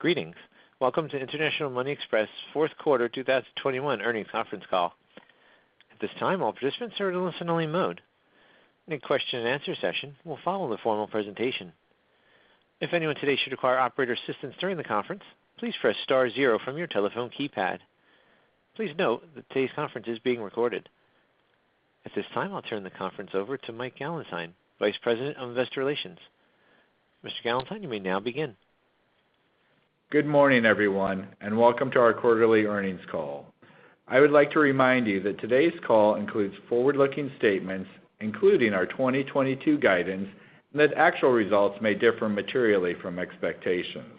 Greetings. Welcome to International Money Express's fourth quarter 2021 earnings conference call. At this time, all participants are in listen-only mode. A question-and-answer session will follow the formal presentation. If anyone today should require operator assistance during the conference, please press star zero from your telephone keypad. Please note that today's conference is being recorded. At this time, I'll turn the conference over to Mike Gallentine, Vice President of Investor Relations. Mr. Gallentine, you may now begin. Good morning, everyone, and welcome to our quarterly earnings call. I would like to remind you that today's call includes forward-looking statements, including our 2022 guidance, and that actual results may differ materially from expectations.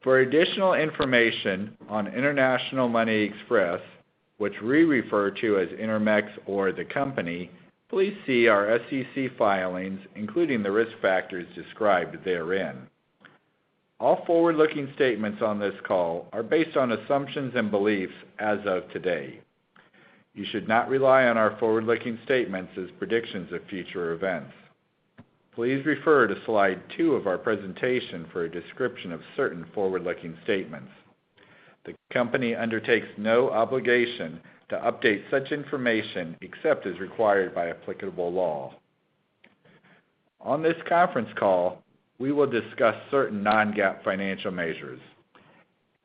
For additional information on International Money Express, which we refer to as Intermex or the company, please see our SEC filings, including the risk factors described therein. All forward-looking statements on this call are based on assumptions and beliefs as of today. You should not rely on our forward-looking statements as predictions of future events. Please refer to slide two of our presentation for a description of certain forward-looking statements. The company undertakes no obligation to update such information except as required by applicable law. On this conference call, we will discuss certain non-GAAP financial measures.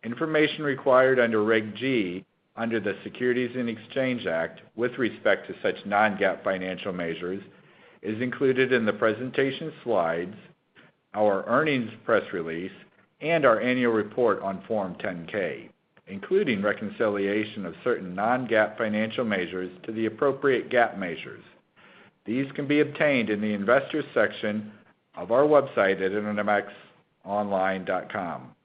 Information required under Reg G under the Securities Exchange Act with respect to such non-GAAP financial measures is included in the presentation slides, our earnings press release, and our annual report on Form 10-K, including reconciliation of certain non-GAAP financial measures to the appropriate GAAP measures. These can be obtained in the investors section of our website at intermexonline.com.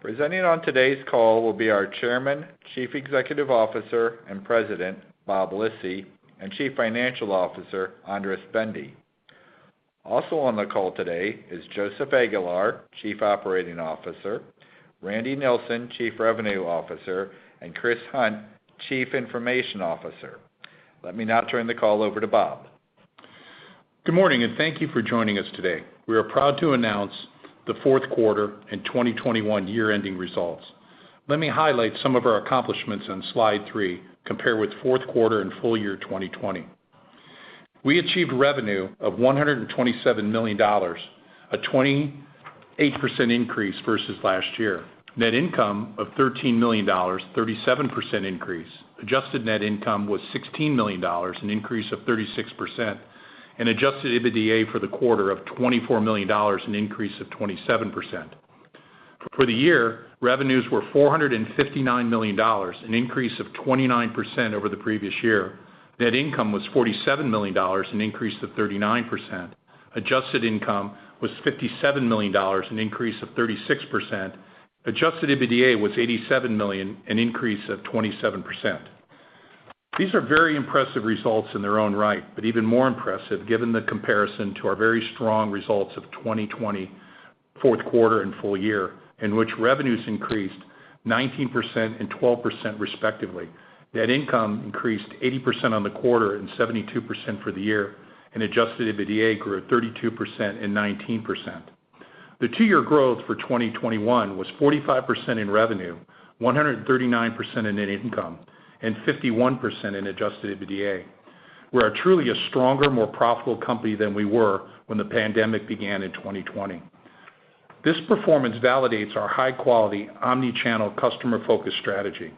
Presenting on today's call will be our Chairman, Chief Executive Officer, and President, Bob Lisy, and Chief Financial Officer, Andras Bende. Also on the call today is Joseph Aguilar, Chief Operating Officer, Randy Nilsen, Chief Revenue Officer, and Chris Hunt, Chief Information Officer. Let me now turn the call over to Bob. Good morning, and thank you for joining us today. We are proud to announce the fourth quarter and 2021 year-ending results. Let me highlight some of our accomplishments on slide three, compared with fourth quarter and full-year 2020. We achieved revenue of $127 million, a 28% increase versus last year. Net income of $13 million, 37% increase. Adjusted net income was $16 million, an increase of 36%. Adjusted EBITDA for the quarter of $24 million, an increase of 27%. For the year, revenues were $459 million, an increase of 29% over the previous year. Net income was $47 million, an increase of 39%. Adjusted income was $57 million, an increase of 36%. Adjusted EBITDA was $87 million, an increase of 27%. These are very impressive results in their own right, but even more impressive given the comparison to our very strong results of 2020 fourth quarter and full-year, in which revenues increased 19% and 12% respectively. Net income increased 80% on the quarter and 72% for the year, and adjusted EBITDA grew 32% and 19%. The two-year growth for 2021 was 45% in revenue, 139% in net income, and 51% in adjusted EBITDA. We are truly a stronger, more profitable company than we were when the pandemic began in 2020. This performance validates our high-quality, omnichannel customer-focused strategy.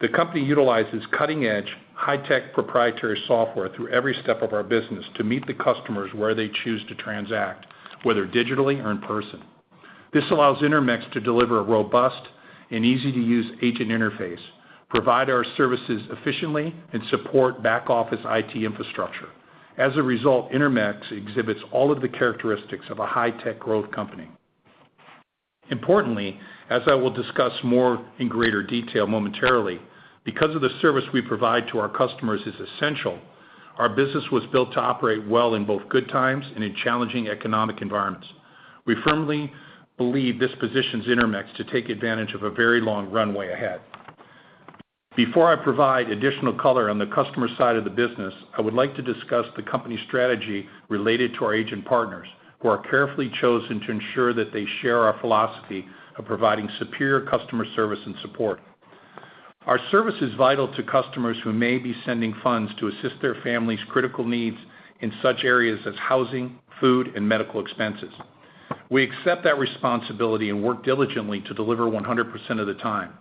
The company utilizes cutting-edge, high-tech proprietary software through every step of our business to meet the customers where they choose to transact, whether digitally or in person. This allows Intermex to deliver a robust and easy-to-use agent interface, provide our services efficiently, and support back-office IT infrastructure. As a result, Intermex exhibits all of the characteristics of a high-tech growth company. Importantly, as I will discuss more in greater detail momentarily, because of the service we provide to our customers is essential, our business was built to operate well in both good times and in challenging economic environments. We firmly believe this positions Intermex to take advantage of a very long runway ahead. Before I provide additional color on the customer side of the business, I would like to discuss the company strategy related to our agent partners who are carefully chosen to ensure that they share our philosophy of providing superior customer service and support. Our service is vital to customers who may be sending funds to assist their family's critical needs in such areas as housing, food, and medical expenses. We accept that responsibility and work diligently to deliver 100% of the time.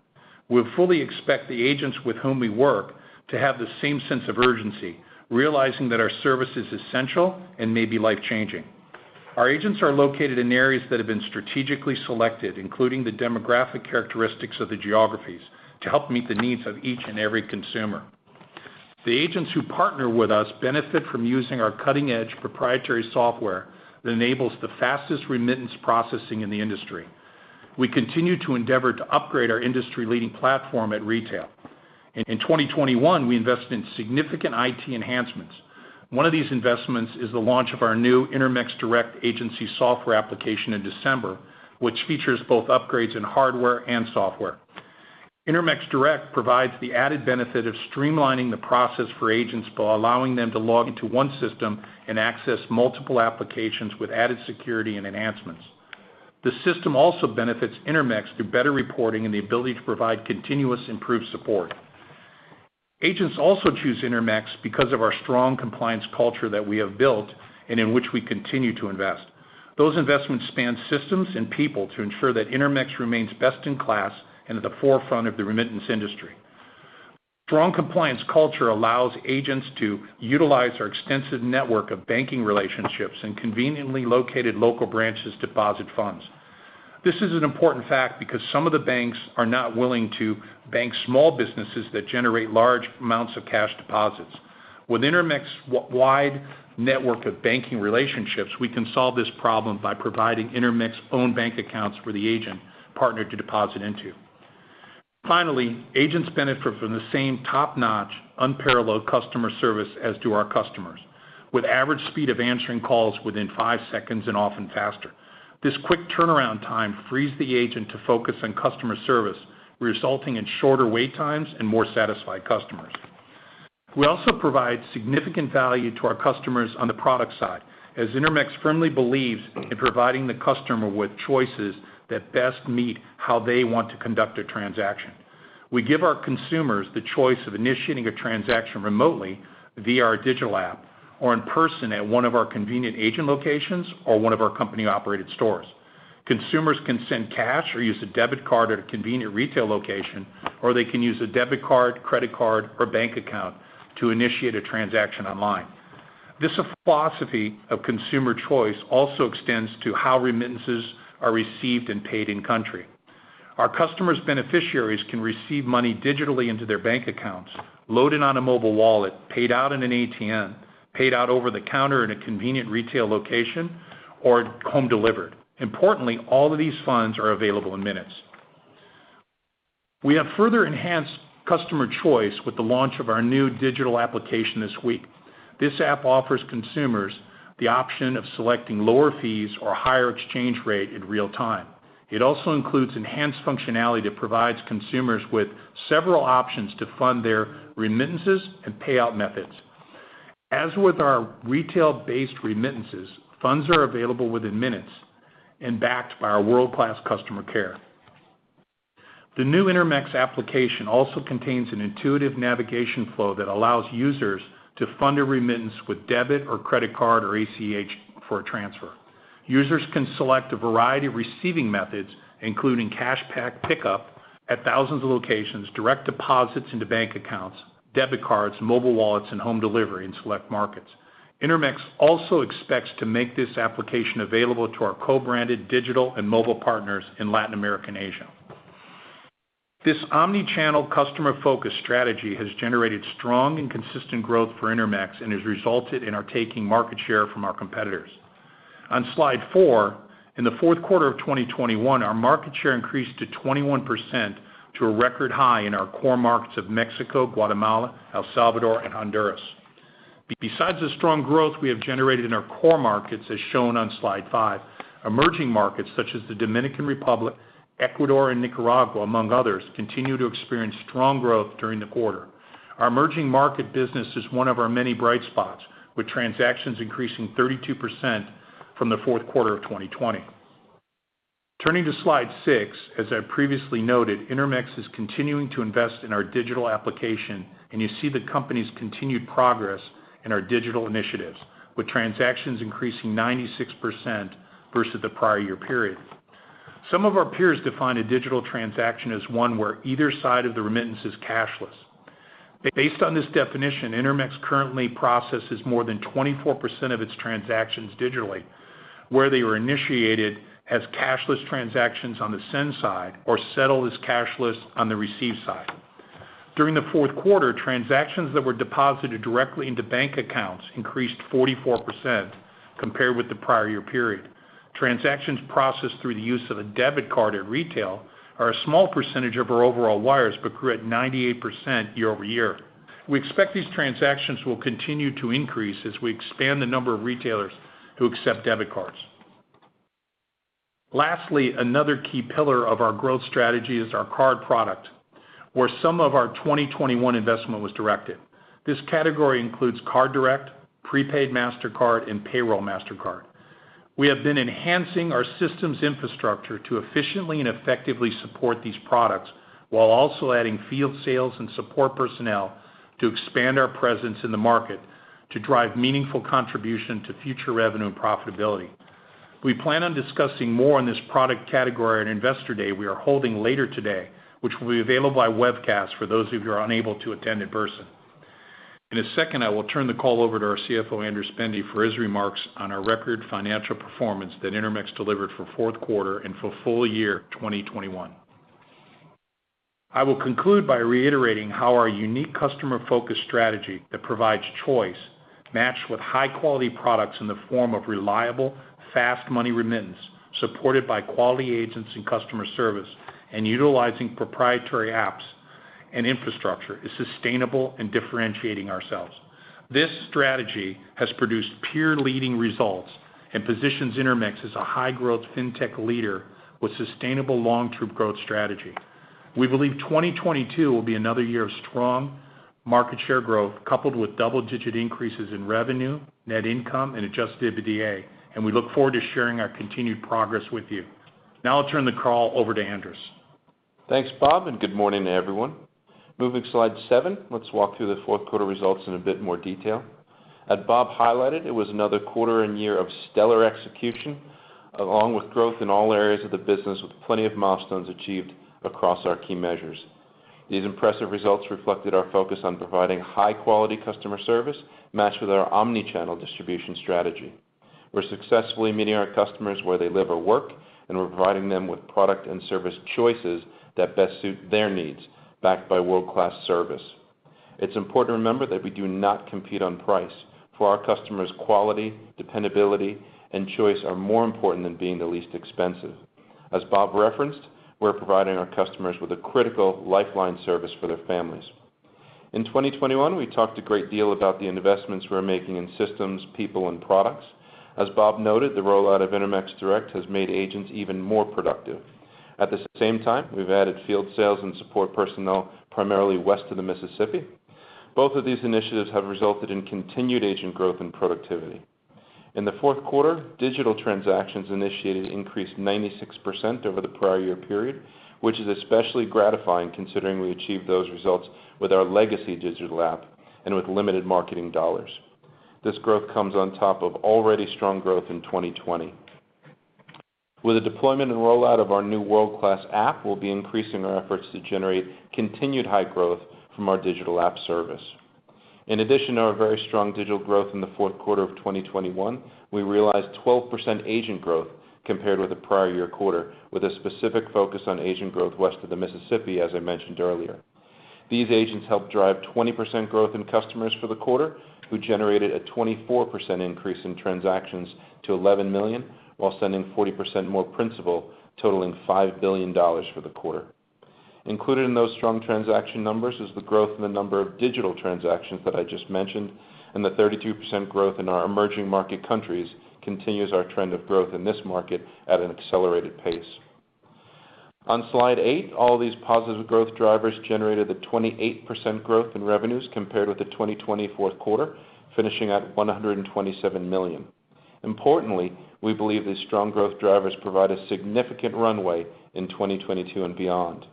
We fully expect the agents with whom we work to have the same sense of urgency, realizing that our service is essential and may be life-changing. Our agents are located in areas that have been strategically selected, including the demographic characteristics of the geographies, to help meet the needs of each and every consumer. The agents who partner with us benefit from using our cutting-edge proprietary software that enables the fastest remittance processing in the industry. We continue to endeavor to upgrade our industry-leading platform at retail. In 2021, we invested in significant IT enhancements. One of these investments is the launch of our new IntermexDirect agency software application in December, which features both upgrades in hardware and software. IntermexDirect provides the added benefit of streamlining the process for agents by allowing them to log into one system and access multiple applications with added security and enhancements. The system also benefits Intermex through better reporting and the ability to provide continuously improved support. Agents also choose Intermex because of our strong compliance culture that we have built and in which we continue to invest. Those investments span systems and people to ensure that Intermex remains best in class and at the forefront of the remittance industry. Strong compliance culture allows agents to utilize our extensive network of banking relationships and conveniently located local branches to deposit funds. This is an important fact because some of the banks are not willing to bank small businesses that generate large amounts of cash deposits. With Intermex's wide network of banking relationships, we can solve this problem by providing Intermex's own bank accounts for the agent partner to deposit into. Finally, agents benefit from the same top-notch, unparalleled customer service as do our customers, with average speed of answering calls within five seconds and often faster. This quick turnaround time frees the agent to focus on customer service, resulting in shorter wait times and more satisfied customers. We also provide significant value to our customers on the product side, as Intermex firmly believes in providing the customer with choices that best meet how they want to conduct a transaction. We give our consumers the choice of initiating a transaction remotely via our digital app, or in person at one of our convenient agent locations or one of our company-operated stores. Consumers can send cash or use a debit card at a convenient retail location, or they can use a debit card, credit card, or bank account to initiate a transaction online. This philosophy of consumer choice also extends to how remittances are received and paid in-country. Our customers' beneficiaries can receive money digitally into their bank accounts, loaded on a mobile wallet, paid out in an ATM, paid out over the counter in a convenient retail location, or home delivered. Importantly, all of these funds are available in minutes. We have further enhanced customer choice with the launch of our new digital application this week. This app offers consumers the option of selecting lower fees or a higher exchange rate in real time. It also includes enhanced functionality that provides consumers with several options to fund their remittances and payout methods. As with our retail-based remittances, funds are available within minutes and backed by our world-class customer care. The new Intermex application also contains an intuitive navigation flow that allows users to fund a remittance with debit or credit card or ACH for a transfer. Users can select a variety of receiving methods, including cash pickup at thousands of locations, direct deposits into bank accounts, debit cards, mobile wallets, and home delivery in select markets. Intermex also expects to make this application available to our co-branded digital and mobile partners in Latin America and Asia. This omnichannel customer-focused strategy has generated strong and consistent growth for Intermex and has resulted in our taking market share from our competitors. On slide four, in the fourth quarter of 2021, our market share increased to 21% to a record high in our core markets of Mexico, Guatemala, El Salvador, and Honduras. Besides the strong growth we have generated in our core markets, as shown on slide five, emerging markets such as the Dominican Republic, Ecuador, and Nicaragua, among others, continue to experience strong growth during the quarter. Our emerging market business is one of our many bright spots, with transactions increasing 32% from the fourth quarter of 2020. Turning to slide six, as I previously noted, Intermex is continuing to invest in our digital application, and you see the company's continued progress in our digital initiatives, with transactions increasing 96% versus the prior year period. Some of our peers define a digital transaction as one where either side of the remittance is cashless. Based on this definition, Intermex currently processes more than 24% of its transactions digitally, where they were initiated as cashless transactions on the send side or settled as cashless on the receive side. During the fourth quarter, transactions that were deposited directly into bank accounts increased 44% compared with the prior year period. Transactions processed through the use of a debit card at retail are a small percentage of our overall wires, but grew at 98% year-over-year. We expect these transactions will continue to increase as we expand the number of retailers who accept debit cards. Lastly, another key pillar of our growth strategy is our card product, where some of our 2021 investment was directed. This category includes Card Direct, Prepaid Mastercard, and Payroll Mastercard. We have been enhancing our systems infrastructure to efficiently and effectively support these products while also adding field sales and support personnel to expand our presence in the market to drive meaningful contribution to future revenue and profitability. We plan on discussing more on this product category at Investor Day we are holding later today, which will be available by webcast for those of you who are unable to attend in person. In a second, I will turn the call over to our CFO, Andras Bende, for his remarks on our record financial performance that Intermex delivered for fourth quarter and for full-year 2021. I will conclude by reiterating how our unique customer-focused strategy that provides choice, matched with high-quality products in the form of reliable, fast money remittance, supported by quality agents and customer service and utilizing proprietary apps and infrastructure is sustainable and differentiating ourselves. This strategy has produced peer-leading results and positions Intermex as a high-growth fintech leader with sustainable long-term growth strategy. We believe 2022 will be another year of strong market share growth, coupled with double-digit increases in revenue, net income, and adjusted EBITDA, and we look forward to sharing our continued progress with you. Now I'll turn the call over to Andras Bende. Thanks, Bob, and good morning to everyone. Moving to slide seven, let's walk through the fourth quarter results in a bit more detail. As Bob highlighted, it was another quarter and year of stellar execution, along with growth in all areas of the business, with plenty of milestones achieved across our key measures. These impressive results reflected our focus on providing high-quality customer service matched with our omnichannel distribution strategy. We're successfully meeting our customers where they live or work, and we're providing them with product and service choices that best suit their needs, backed by world-class service. It's important to remember that we do not compete on price. For our customers, quality, dependability, and choice are more important than being the least expensive. As Bob referenced, we're providing our customers with a critical lifeline service for their families. In 2021, we talked a great deal about the investments we're making in systems, people, and products. As Bob noted, the rollout of IntermexDirect has made agents even more productive. At the same time, we've added field sales and support personnel, primarily west of the Mississippi. Both of these initiatives have resulted in continued agent growth and productivity. In the fourth quarter, digital transactions initiated increased 96% over the prior year period, which is especially gratifying considering we achieved those results with our legacy digital app and with limited marketing dollars. This growth comes on top of already strong growth in 2020. With the deployment and rollout of our new world-class app, we'll be increasing our efforts to generate continued high growth from our digital app service. In addition to our very strong digital growth in the fourth quarter of 2021, we realized 12% agent growth compared with the prior year quarter, with a specific focus on agent growth west of the Mississippi, as I mentioned earlier. These agents helped drive 20% growth in customers for the quarter, who generated a 24% increase in transactions to 11 million while sending 40% more principal, totaling $5 billion for the quarter. Included in those strong transaction numbers is the growth in the number of digital transactions that I just mentioned, and the 32% growth in our emerging market countries continues our trend of growth in this market at an accelerated pace. On Slide 8, all these positive growth drivers generated a 28% growth in revenues compared with the 2020 fourth quarter, finishing at $127 million. Importantly, we believe these strong growth drivers provide a significant runway in 2022 and beyond.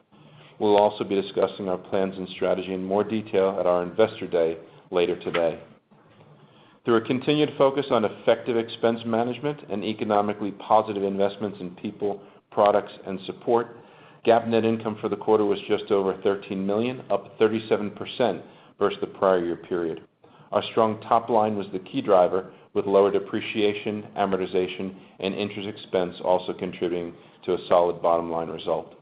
We'll also be discussing our plans and strategy in more detail at our Investor Day later today. Through a continued focus on effective expense management and economically positive investments in people, products, and support, GAAP net income for the quarter was just over $13 million, up 37% versus the prior year period. Our strong top line was the key driver, with lower depreciation, amortization, and interest expense also contributing to a solid bottom-line result.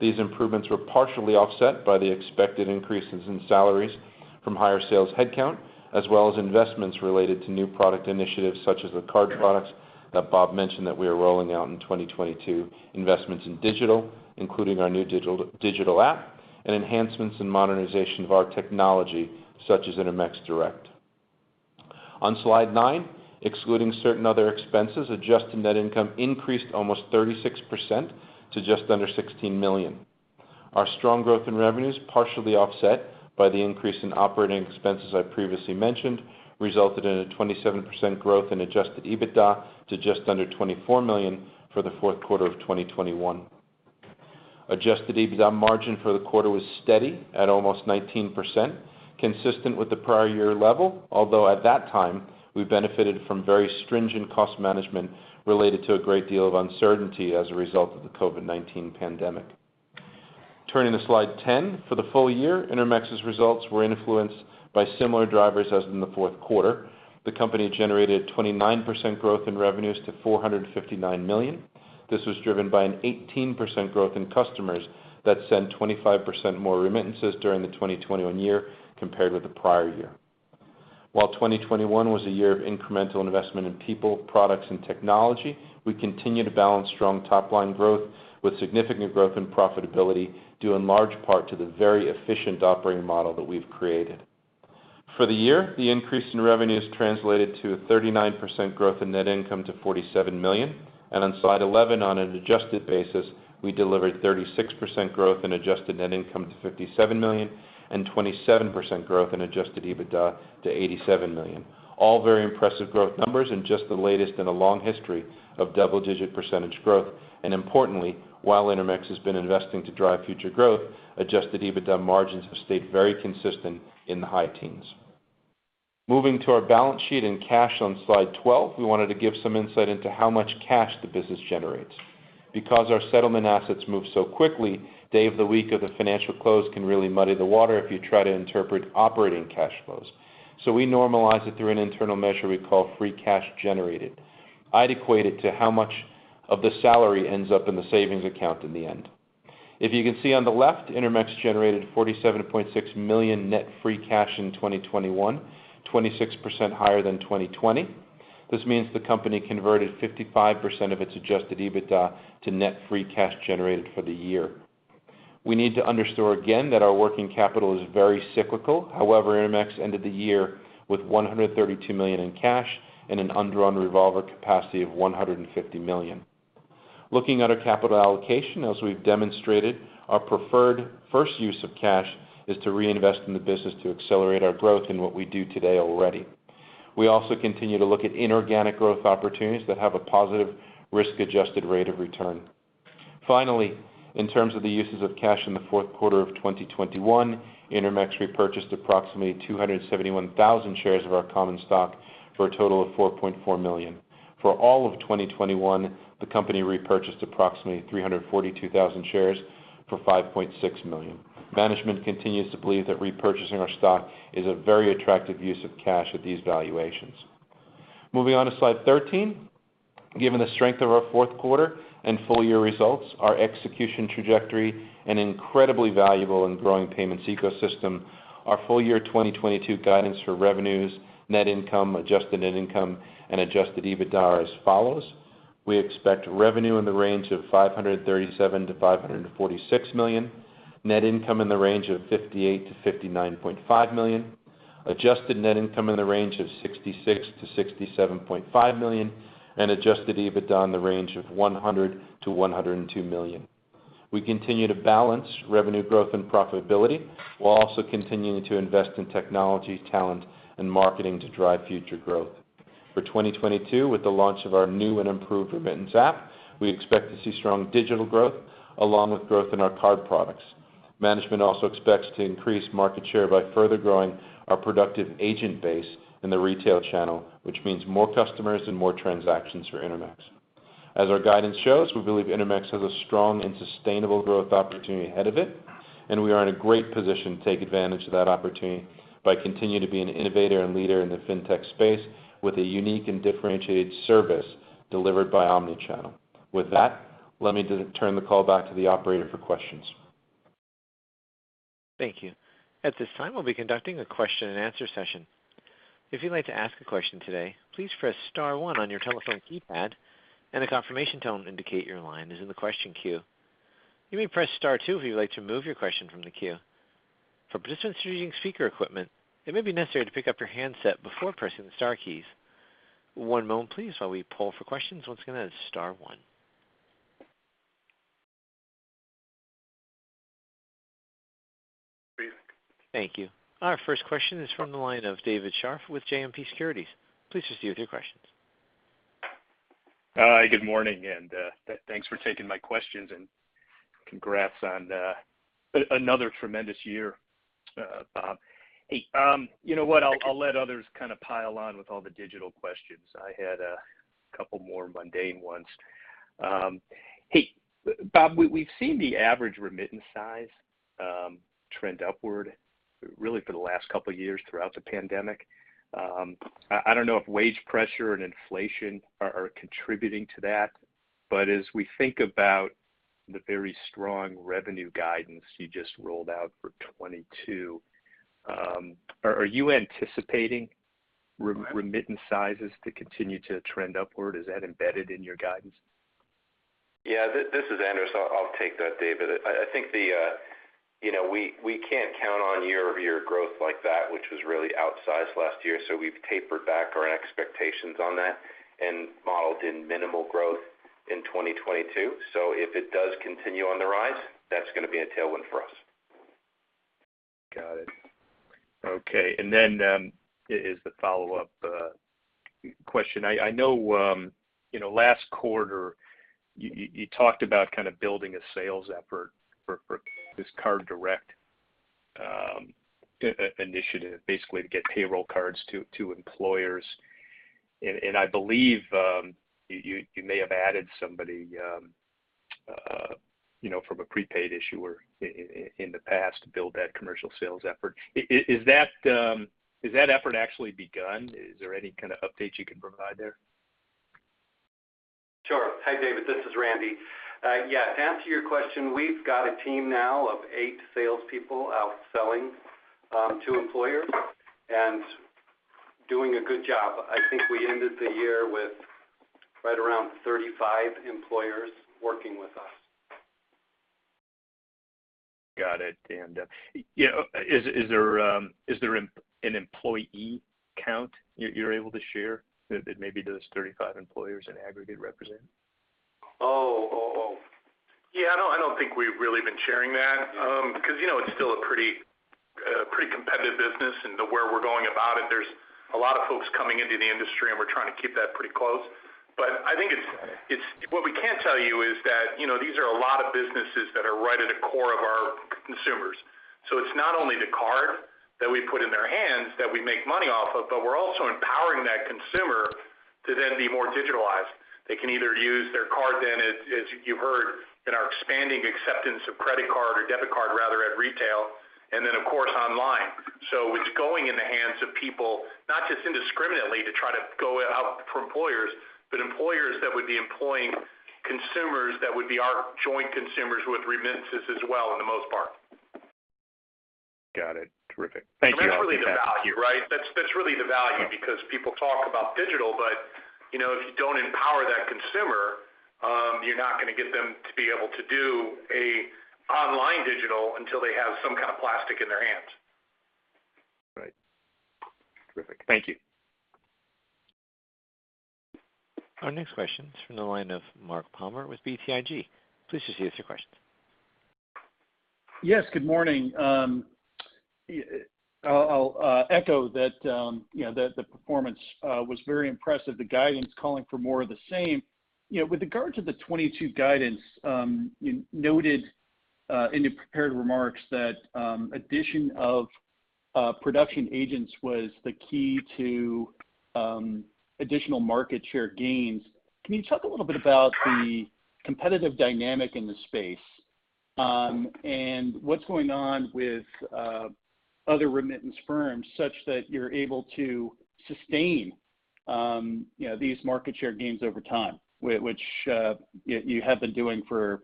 These improvements were partially offset by the expected increases in salaries from higher sales headcount, as well as investments related to new product initiatives such as the card products that Bob mentioned that we are rolling out in 2022, investments in digital, including our new digital app, and enhancements in modernization of our technology, such as IntermexDirect. On slide nine, excluding certain other expenses, adjusted net income increased almost 36% to just under $16 million. Our strong growth in revenues, partially offset by the increase in operating expenses I previously mentioned, resulted in a 27% growth in adjusted EBITDA to just under $24 million for the fourth quarter of 2021. Adjusted EBITDA margin for the quarter was steady at almost 19%, consistent with the prior year level, although at that time, we benefited from very stringent cost management related to a great deal of uncertainty as a result of the COVID-19 pandemic. Turning to slide 10, for the full year, Intermex's results were influenced by similar drivers as in the fourth quarter. The company generated 29% growth in revenues to $459 million. This was driven by an 18% growth in customers that sent 25% more remittances during the 2021 year compared with the prior year. While 2021 was a year of incremental investment in people, products, and technology, we continue to balance strong top-line growth with significant growth in profitability due in large part to the very efficient operating model that we've created. For the year, the increase in revenues translated to a 39% growth in net income to $47 million. On slide 11, on an adjusted basis, we delivered 36% growth in adjusted net income to $57 million and 27% growth in adjusted EBITDA to $87 million. All very impressive growth numbers and just the latest in a long history of double-digit percentage growth. Importantly, while Intermex has been investing to drive future growth, adjusted EBITDA margins have stayed very consistent in the high teens. Moving to our balance sheet and cash on slide 12, we wanted to give some insight into how much cash the business generates. Because our settlement assets move so quickly, day of the week of the financial close can really muddy the water if you try to interpret operating cash flows. We normalize it through an internal measure we call free cash generated. I'd equate it to how much of the salary ends up in the savings account in the end. If you can see on the left, Intermex generated $47.6 million net free cash in 2021, 26% higher than 2020. This means the company converted 55% of its adjusted EBITDA to net free cash generated for the year. We need to underscore again that our working capital is very cyclical. However, Intermex ended the year with $132 million in cash and an undrawn revolver capacity of $150 million. Looking at our capital allocation, as we've demonstrated, our preferred first use of cash is to reinvest in the business to accelerate our growth in what we do today already. We also continue to look at inorganic growth opportunities that have a positive risk-adjusted rate of return. Finally, in terms of the uses of cash in the fourth quarter of 2021, Intermex repurchased approximately 271,000 shares of our common stock for a total of $4.4 million. For all of 2021, the company repurchased approximately 342,000 shares for $5.6 million. Management continues to believe that repurchasing our stock is a very attractive use of cash at these valuations. Moving on to slide 13. Given the strength of our fourth quarter and full-year results, our execution trajectory, and incredibly valuable and growing payments ecosystem, our full-year 2022 guidance for revenues, net income, adjusted net income, and adjusted EBITDA are as follows. We expect revenue in the range of $537 million-$546 million, net income in the range of $58 million-$59.5 million, adjusted net income in the range of $66 million-$67.5 million, and adjusted EBITDA in the range of $100 million-$102 million. We continue to balance revenue growth and profitability while also continuing to invest in technology, talent, and marketing to drive future growth. For 2022, with the launch of our new and improved remittance app, we expect to see strong digital growth along with growth in our card products. Management also expects to increase market share by further growing our productive agent base in the retail channel, which means more customers and more transactions for Intermex. As our guidance shows, we believe Intermex has a strong and sustainable growth opportunity ahead of it, and we are in a great position to take advantage of that opportunity by continuing to be an innovator and leader in the fintech space with a unique and differentiated service delivered by omnichannel. With that, let me turn the call back to the operator for questions. Thank you. At this time, we'll be conducting a question-and-answer session. If you'd like to ask a question today, please press star one on your telephone keypad, and a confirmation tone indicates your line is in the question queue. You may press star two if you'd like to remove your question from the queue. For participants using speaker equipment, it may be necessary to pick up your handset before pressing the star keys. One moment please while we poll for questions. Once again, that is star one. Thank you. Our first question is from the line of David Scharf with JMP Securities. Please proceed with your questions. Good morning, thanks for taking my questions. Congrats on another tremendous year, Bob. Hey, you know what? I'll let others kind of pile on with all the digital questions. I had a couple more mundane ones. Hey, Bob, we've seen the average remittance size trend upward really for the last couple years throughout the pandemic. I don't know if wage pressure and inflation are contributing to that. As we think about the very strong revenue guidance you just rolled out for 2022, are you anticipating remittance sizes to continue to trend upward? Is that embedded in your guidance? Yeah. This is Andras Bende. I'll take that, 0. I think, you know, we can't count on year-over-year growth like that, which was really outsized last year. We've tapered back our expectations on that and modeled in minimal growth in 2022. If it does continue on the rise, that's gonna be a tailwind for us. Got it. Okay. Is the follow-up question. I know, you know, last quarter, you talked about kind of building a sales effort for this Card Direct initiative basically to get payroll cards to employers. I believe you may have added somebody, you know, from a prepaid issuer in the past to build that commercial sales effort. Has that effort actually begun? Is there any kind of update you can provide there? Sure. Hi, David. This is Randy. Yeah, to answer your question, we've got a team now of eight salespeople out selling to employers and doing a good job. I think we ended the year with right around 35 employers working with us. Got it. You know, is there an employee count you're able to share that maybe those 35 employers in aggregate represent? Oh. Yeah, I don't think we've really been sharing that, because, you know, it's still a pretty competitive business in the way we're going about it. There's a lot of folks coming into the industry, and we're trying to keep that pretty close. I think what we can tell you is that, you know, these are a lot of businesses that are right at the core of our consumers. It's not only the card that we put in their hands that we make money off of, but we're also empowering that consumer to then be more digitalized. They can either use their card then, as you heard, in our expanding acceptance of credit card or debit card rather at retail and then, of course, online. It's going in the hands of people, not just indiscriminately to try to go out for employers, but employers that would be employing consumers that would be our joint consumers with remittances as well in the most part. Terrific. Thank you. That's really the value, right? That's really the value because people talk about digital, but, you know, if you don't empower that consumer, you're not gonna get them to be able to do an online digital until they have some kind of plastic in their hands. Right. Terrific. Thank you. Our next question is from the line of Mark Palmer with BTIG. Please just ask your question. Yes, good morning. I'll echo that, you know, the performance was very impressive, the guidance calling for more of the same. You know, with regards to the 2022 guidance, you noted in the prepared remarks that addition of production agents was the key to additional market share gains. Can you talk a little bit about the competitive dynamic in the space, and what's going on with other remittance firms such that you're able to sustain, you know, these market share gains over time, which, you know, you have been doing for,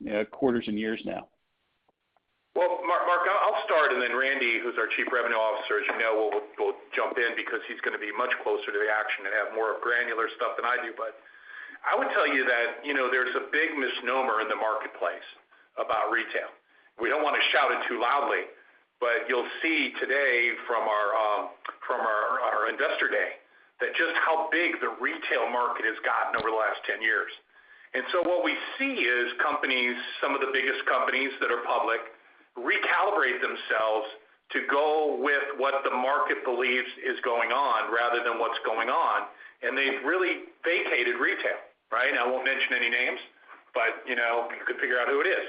you know, quarters and years now? Well, Mark, I'll start, and then Randy Nilsen, who's our Chief Revenue Officer, as you know, will jump in because he's gonna be much closer to the action and have more granular stuff than I do. I would tell you that, you know, there's a big misnomer in the marketplace about retail. We don't wanna shout it too loudly, but you'll see today from our Investor Day that just how big the retail market has gotten over the last 10 years. What we see is companies, some of the biggest companies that are public, recalibrate themselves to go with what the market believes is going on rather than what's going on. They've really vacated retail, right? I won't mention any names, but, you know, you could figure out who it is.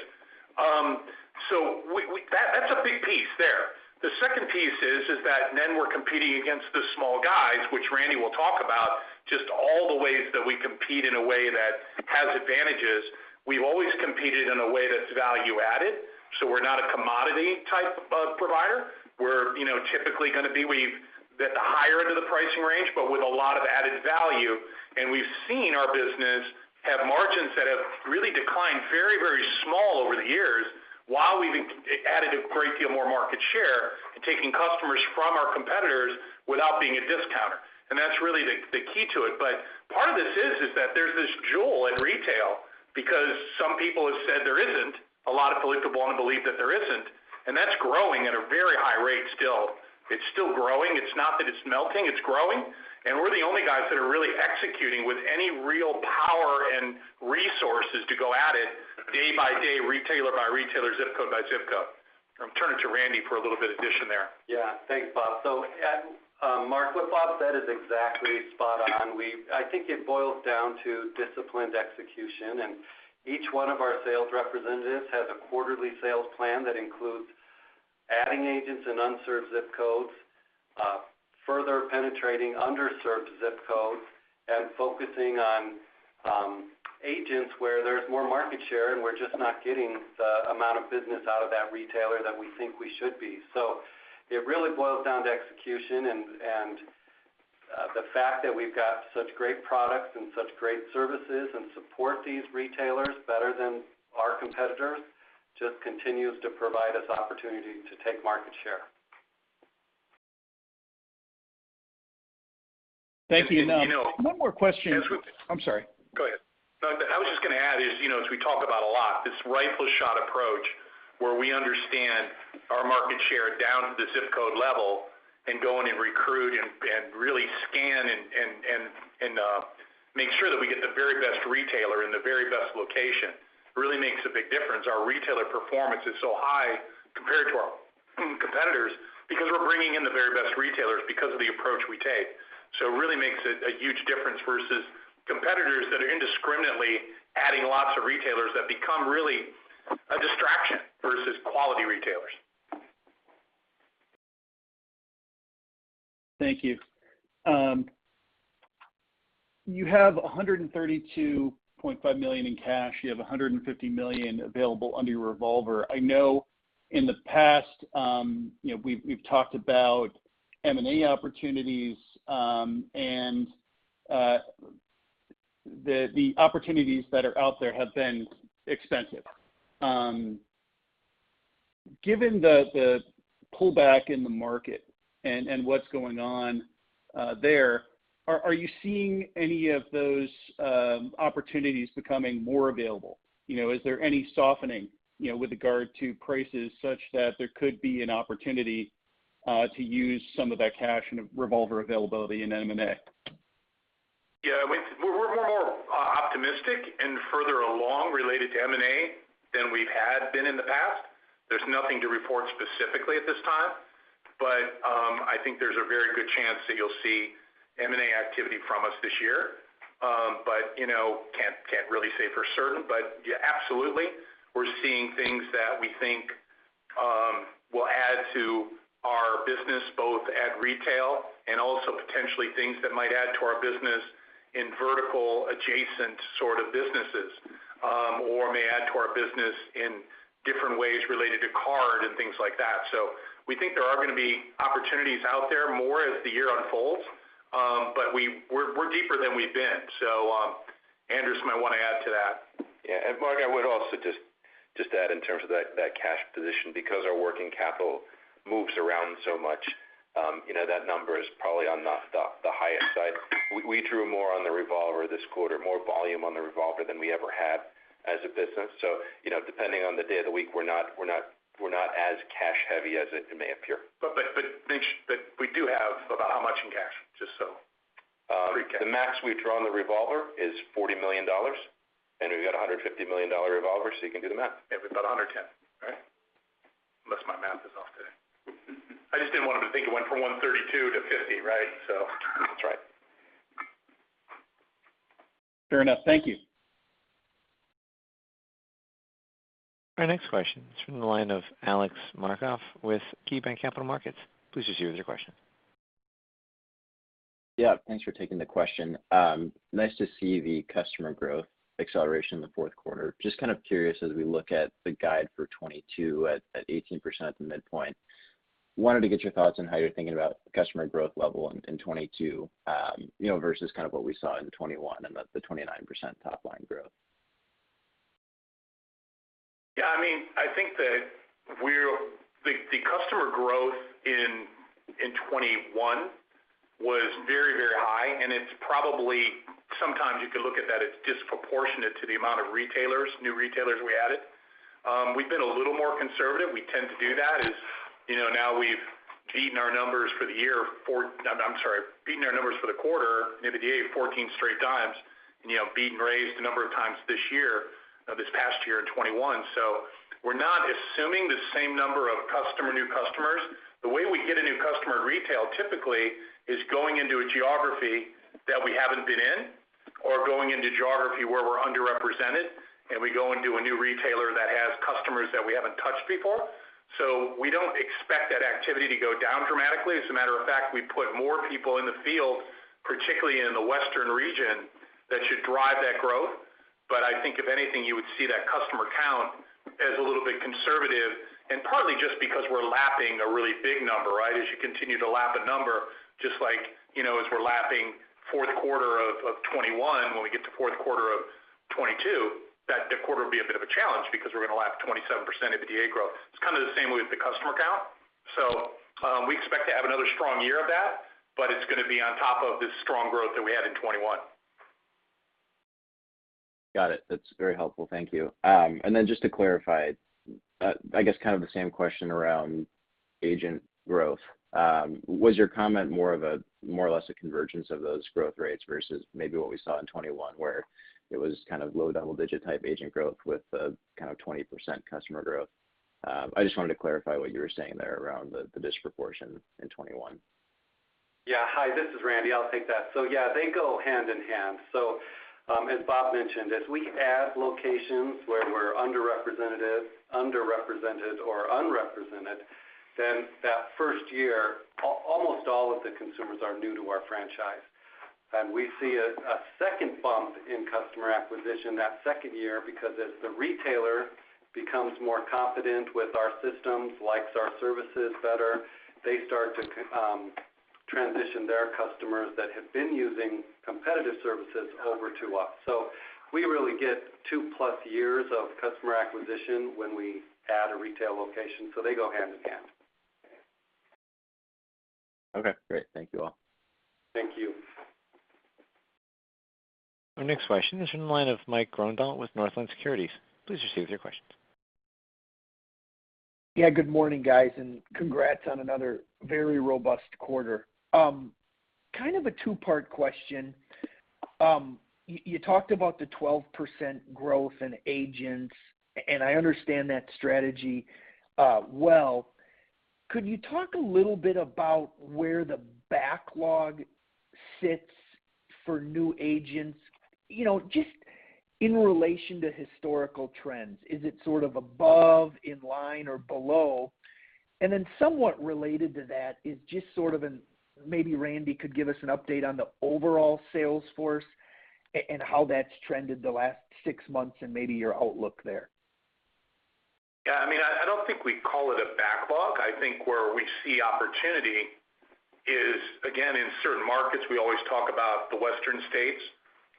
That's a big piece there. The second piece is that then we're competing against the small guys, which Randy will talk about, just all the ways that we compete in a way that has advantages. We've always competed in a way that's value added, so we're not a commodity type of provider. We're, you know, typically gonna be at the higher end of the pricing range, but with a lot of added value. We've seen our business have margins that have really declined very, very small over the years while we've added a great deal more market share and taking customers from our competitors without being a discounter. That's really the key to it. Part of this is that there's this jewel in retail because some people have said there isn't. A lot of people want to believe that there isn't, and that's growing at a very high rate still. It's still growing. It's not that it's melting, it's growing. We're the only guys that are really executing with any real power and resources to go at it day by day, retailer by retailer, zip code by zip code. I'll turn it to Randy for a little bit addition there. Yeah. Thanks, Bob. Mark, what Bob said is exactly spot on. I think it boils down to disciplined execution, and each one of our sales representatives has a quarterly sales plan that includes adding agents in unserved zip codes, further penetrating underserved zip codes, and focusing on agents where there's more market share, and we're just not getting the amount of business out of that retailer that we think we should be. It really boils down to execution and the fact that we've got such great products and such great services and support these retailers better than our competitors just continues to provide us opportunity to take market share. Thank you. One more question. You know. I'm sorry. Go ahead. No, I was just gonna add is, you know, as we talk about a lot, this rifle shot approach where we understand our market share down to the zip code level and go in and recruit and really scan and make sure that we get the very best retailer in the very best location really makes a big difference. Our retailer performance is so high compared to our competitors because we're bringing in the very best retailers because of the approach we take. It really makes a huge difference versus competitors that are indiscriminately adding lots of retailers that become really a distraction versus quality retailers. Thank you. You have $132.5 million in cash. You have $150 million available under your revolver. I know in the past, you know, we've talked about M&A opportunities, and the opportunities that are out there have been expensive. Given the pullback in the market and what's going on, are you seeing any of those opportunities becoming more available? You know, is there any softening, you know, with regard to prices such that there could be an opportunity to use some of that cash and revolver availability in M&A? Yeah. We're more optimistic and further along related to M&A than we've had been in the past. There's nothing to report specifically at this time, but I think there's a very good chance that you'll see M&A activity from us this year. You know, can't really say for certain, but yeah, absolutely. We're seeing things that we think will add to our business, both at retail and also potentially things that might add to our business in vertical adjacent sort of businesses, or may add to our business in different ways related to card and things like that. We think there are gonna be opportunities out there more as the year unfolds, but we're deeper than we've been. Andras might want to add to that. Yeah. Mark, I would also just add in terms of that cash position, because our working capital moves around so much, you know that number is probably on the highest side. We drew more on the revolver this quarter, more volume on the revolver than we ever have as a business. You know, depending on the day of the week, we're not as cash-heavy as it may appear. But, we do have about how much in cash, just so The max we've drawn the revolver is $40 million, and we've got a $150 million revolver, so you can do the math. Yeah. We've got 110, right? Unless my math is off today. I just didn't want them to think it went from 132 to 50, right? That's right. Fair enough. Thank you. Our next question is from the line of Alex Markgraff with KeyBanc Capital Markets. Please proceed with your question. Yeah, thanks for taking the question. Nice to see the customer growth acceleration in the fourth quarter. Just kind of curious as we look at the guide for 2022 at 18% at the midpoint. Wanted to get your thoughts on how you're thinking about customer growth level in 2022, you know, versus kind of what we saw in 2021 and the 29% top line growth. Yeah, I mean, I think that the customer growth in 2021 was very, very high, and it's probably sometimes you could look at that as disproportionate to the amount of retailers, new retailers we added. We've been a little more conservative. We tend to do that is, you know, now we've beaten our numbers for the year four. I'm sorry, beaten our numbers for the quarter, maybe the eight, 14 straight times, and, you know, beat and raised a number of times this year, this past year in 2021. We're not assuming the same number of customer, new customers. The way we get a new customer in retail typically is going into a geography that we haven't been in or going into geography where we're underrepresented, and we go and do a new retailer that has customers that we haven't touched before. We don't expect that activity to go down dramatically. As a matter of fact, we put more people in the field, particularly in the Western region, that should drive that growth. I think if anything, you would see that customer count as a little bit conservative, and partly just because we're lapping a really big number, right? As you continue to lap a number, just like, you know, as we're lapping fourth quarter of 2021, when we get to fourth quarter of 2022, that quarter will be a bit of a challenge because we're gonna lap 27% of the DA growth. It's kind of the same way with the customer count. We expect to have another strong year of that, but it's gonna be on top of the strong growth that we had in 2021. Got it. That's very helpful. Thank you. Just to clarify, I guess kind of the same question around agent growth. Was your comment more or less a convergence of those growth rates versus maybe what we saw in 2021, where it was kind of low double-digit type agent growth with kind of 20% customer growth? I just wanted to clarify what you were saying there around the disproportion in 2021. Yeah. Hi, this is Randy. I'll take that. Yeah, they go hand in hand. As Bob mentioned, as we add locations where we're under-representative, underrepresented or unrepresented, then that first year, almost all of the consumers are new to our franchise. We see a second bump in customer acquisition that second year because as the retailer becomes more confident with our systems, likes our services better, they start to transition their customers that have been using competitive services over to us. We really get two-plus years of customer acquisition when we add a retail location, so they go hand in hand. Okay, great. Thank you all. Thank you. Our next question is from the line of Mike Grondahl with Northland Securities. Please proceed with your question. Yeah, good morning, guys, and congrats on another very robust quarter. Kind of a two-part question. You talked about the 12% growth in agents, and I understand that strategy, well. Could you talk a little bit about where the backlog sits for new agents? You know, just in relation to historical trends. Is it sort of above, in line, or below? Then somewhat related to that is just sort of an, maybe Randy could give us an update on the overall sales force and how that's trended the last six months and maybe your outlook there. Yeah, I mean, I don't think we call it a backlog. I think where we see opportunity is, again, in certain markets, we always talk about the western states.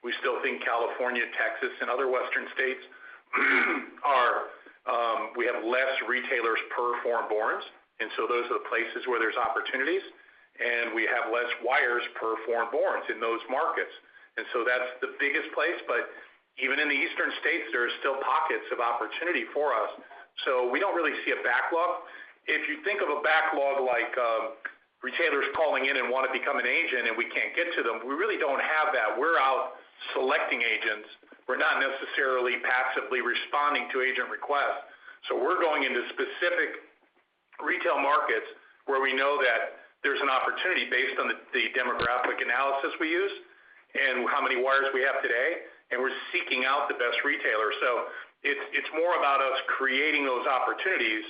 We still think California, Texas, and other western states, we have less retailers per foreign borns, and so those are the places where there's opportunities, and we have less wires per foreign borns in those markets. That's the biggest place. Even in the eastern states, there are still pockets of opportunity for us. We don't really see a backlog. If you think of a backlog like, retailers calling in and wanna become an agent and we can't get to them, we really don't have that. We're out selecting agents. We're not necessarily passively responding to agent requests. We're going into specific retail markets where we know that there's an opportunity based on the demographic analysis we use and how many wires we have today, and we're seeking out the best retailers. It's more about us creating those opportunities.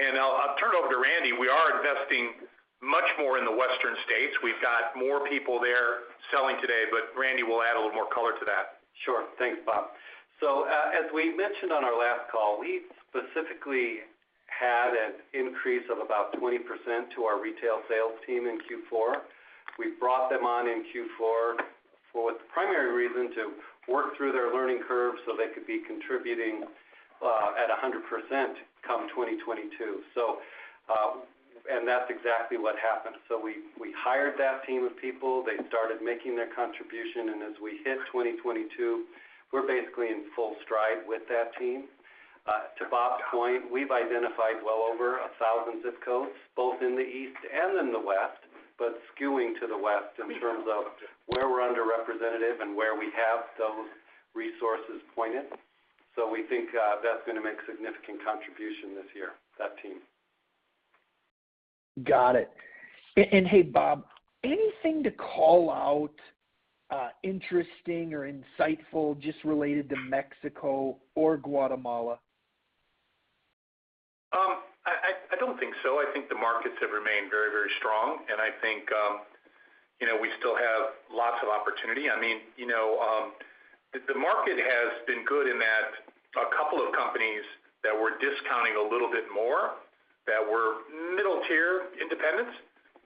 I'll turn it over to Randy. We are investing much more in the western states. We've got more people there selling today, but Randy will add a little more color to that. Sure. Thanks, Bob. As we mentioned on our last call, we specifically had an increase of about 20% in our retail sales team in Q4. We brought them on in Q4 for the primary reason to work through their learning curve so they could be contributing at 100% come 2022. That's exactly what happened. We hired that team of people. They started making their contribution, and as we hit 2022, we're basically in full stride with that team. To Bob's point, we've identified well over 1,000 zip codes, both in the East and in the West, but skewing to the West in terms of where we're underrepresented and where we have those resources pointed. We think that's going to make significant contribution this year, that team. Got it. Hey, Bob, anything to call out interesting or insightful just related to Mexico or Guatemala? I don't think so. I think the markets have remained very, very strong, and I think, you know, we still have lots of opportunity. I mean, you know, the market has been good in that a couple of companies that were discounting a little bit more, that were middle-tier independents,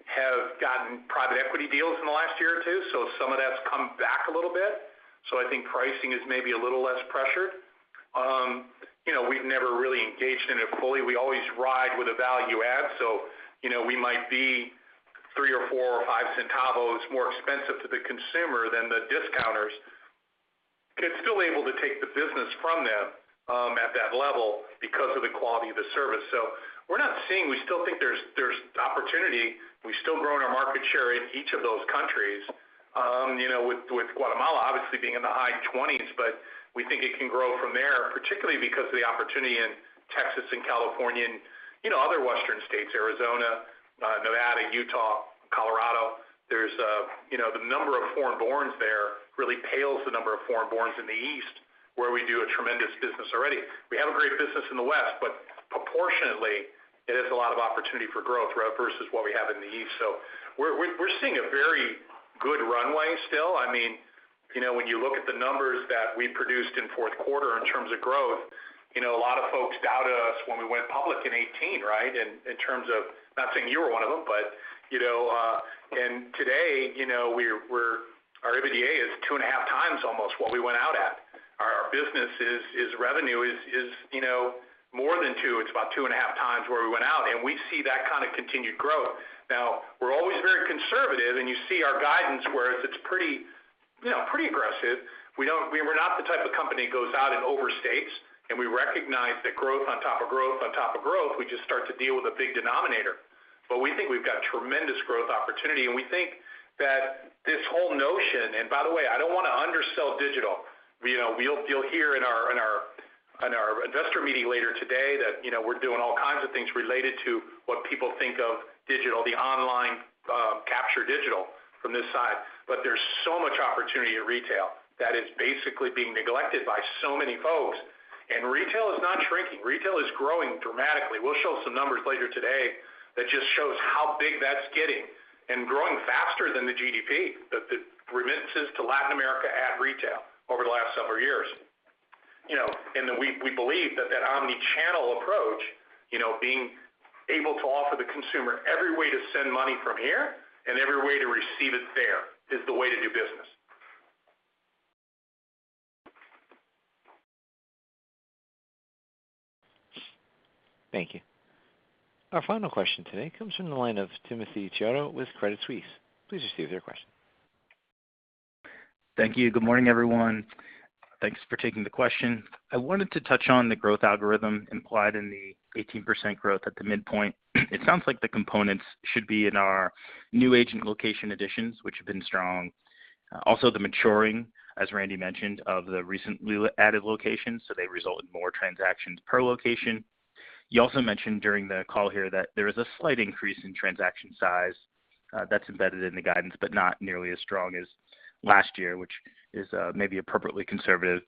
have gotten private equity deals in the last year or two, so some of that's come back a little bit. I think pricing is maybe a little less pressured. You know, we've never really engaged in it fully. We always ride with a value add. You know, we might be three or four or five centavos more expensive to the consumer than the discounters, but still able to take the business from them at that level because of the quality of the service. We're not seeing. We still think there's opportunity. We've still grown our market share in each of those countries. With Guatemala obviously being in the high 20s%, but we think it can grow from there, particularly because of the opportunity in Texas and California and other Western states, Arizona, Nevada, Utah, Colorado. The number of foreign-born there really pales in comparison to the number of foreign-born in the East, where we do a tremendous business already. We have a great business in the West, but proportionately, it is a lot of opportunity for growth, right, versus what we have in the East. We're seeing a very good runway still. I mean, you know, when you look at the numbers that we produced in fourth quarter in terms of growth, you know, a lot of folks doubted us when we went public in 2018, right? In terms of not saying you were one of them, but, you know, and today, you know, our EBITDA is 2.5x almost what we went out at. Our business revenue is more than two. It's about 2.5x where we went out, and we see that kind of continued growth. Now, we're always very conservative, and you see our guidance where it's pretty, you know, pretty aggressive. We were not the type of company that goes out and overstates, and we recognize that growth on top of growth on top of growth. We just start to deal with a big denominator. We think we've got tremendous growth opportunity, and we think that this whole notion. By the way, I don't want to undersell digital. You know, we'll, you'll hear in our investor meeting later today that, you know, we're doing all kinds of things related to what people think of digital, the online, capture digital from this side. There's so much opportunity at retail that is basically being neglected by so many folks. Retail is not shrinking. Retail is growing dramatically. We'll show some numbers later today that just shows how big that's getting and growing faster than the GDP, the remittances to Latin America at retail over the last several years. You know, we believe that omnichannel approach, you know, being able to offer the consumer every way to send money from here and every way to receive it there is the way to do business. Thank you. Our final question today comes from the line of Timothy Chiodo with Credit Suisse. Please proceed with your question. Thank you. Good morning, everyone. Thanks for taking the question. I wanted to touch on the growth algorithm implied in the 18% growth at the midpoint. It sounds like the components should be in our new agent location additions, which have been strong. Also the maturing, as Randy mentioned, of the recently added locations, so they result in more transactions per location. You also mentioned during the call here that there is a slight increase in transaction size, that's embedded in the guidance, but not nearly as strong as last year, which is, maybe appropriately conservative.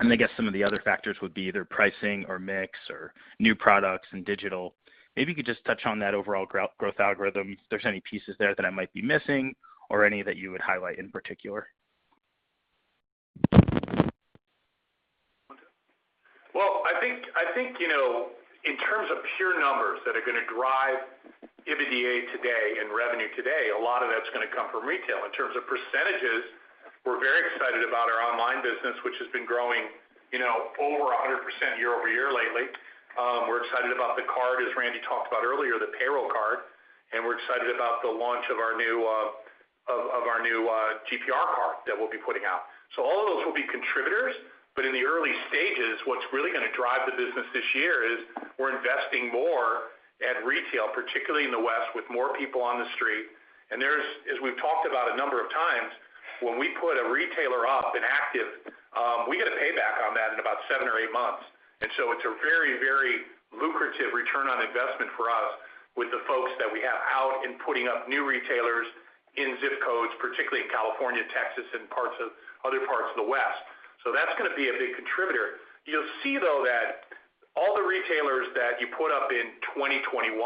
I guess some of the other factors would be either pricing or mix or new products and digital. Maybe you could just touch on that overall growth algorithm, if there's any pieces there that I might be missing or any that you would highlight in particular. Well, I think you know, in terms of pure numbers that are going to drive EBITDA today and revenue today, a lot of that's going to come from retail. In terms of percentages, we're very excited about our online business, which has been growing you know, over 100% year-over-year lately. We're excited about the card, as Randy talked about earlier, the payroll card, and we're excited about the launch of our new GPR card that we'll be putting out. All of those will be contributors, but in the early stages, what's really gonna drive the business this year is we're investing more at retail, particularly in the West, with more people on the street. There's, as we've talked about a number of times, when we put a retailer up and active, we get a payback on that in about seven or eight months. It's a very, very lucrative return on investment for us with the folks that we have out and putting up new retailers in zip codes, particularly in California, Texas, and parts of other parts of the West. That's gonna be a big contributor. You'll see, though, that all the retailers that you put up in 2021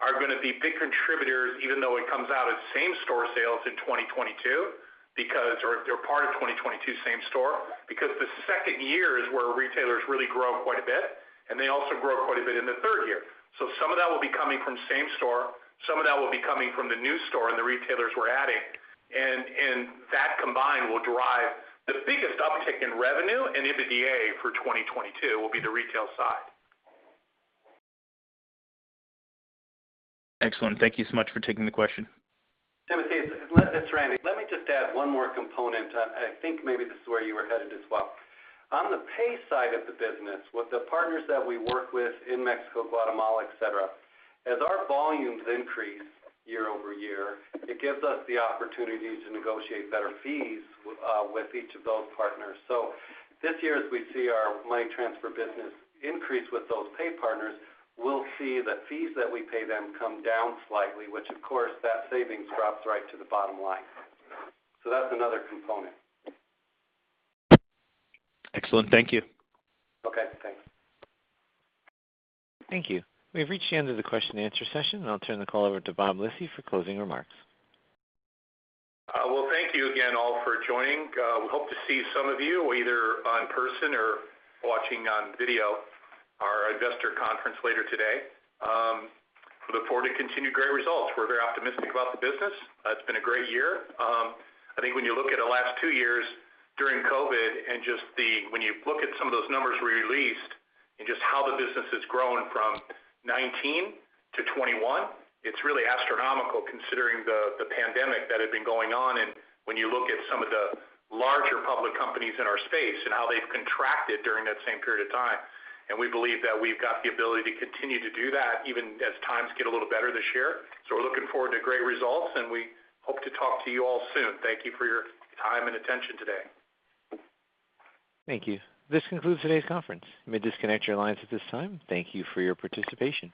are gonna be big contributors even though it comes out as same-store sales in 2022 because they're part of 2022 same store because the second year is where retailers really grow quite a bit, and they also grow quite a bit in the third year. Some of that will be coming from same store. Some of that will be coming from the new store and the retailers we're adding. That combined will drive the biggest uptick in revenue and EBITDA for 2022 will be the retail side. Excellent. Thank you so much for taking the question. Timothy, it's Randy. Let me just add one more component. I think maybe this is where you were headed as well. On the pay side of the business, with the partners that we work with in Mexico, Guatemala, et cetera, as our volumes increase year-over-year, it gives us the opportunity to negotiate better fees with each of those partners. This year, as we see our money transfer business increase with those pay partners, we'll see the fees that we pay them come down slightly which of course that savings drops right to the bottom line. That's another component. Excellent. Thank you. Okay. Thanks. Thank you. We've reached the end of the question and answer session. I'll turn the call over to Bob Lisy for closing remarks. Well, thank you again all for joining. We hope to see some of you either in person or watching on video our investor conference later today. Look forward to continued great results. We're very optimistic about the business. It's been a great year. I think when you look at the last two years during COVID and when you look at some of those numbers we released and just how the business has grown from 2019 to 2021, it's really astronomical considering the pandemic that had been going on. When you look at some of the larger public companies in our space and how they've contracted during that same period of time. We believe that we've got the ability to continue to do that even as times get a little better this year. We're looking forward to great results, and we hope to talk to you all soon. Thank you for your time and attention today. Thank you. This concludes today's conference. You may disconnect your lines at this time. Thank you for your participation.